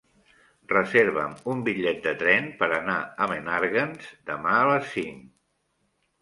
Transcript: Reserva'm un bitllet de tren per anar a Menàrguens demà a les cinc.